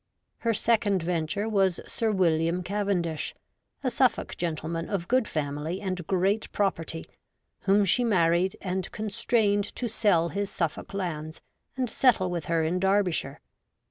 Her second venture was Sir William Cavendish, a Suffolk gentleman of good family and great pro perty, whom she married and constrained to sell his Suffolk lands and settle with her in Derbyshire.